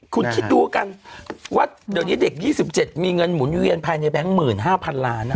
คุณคิดดูกันว่าเดี๋ยวนี้เด็ก๒๗มีเงินหมุนเวียนภายในแบงค์๑๕๐๐๐ล้านนะ